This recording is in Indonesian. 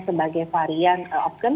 sebagai varian opken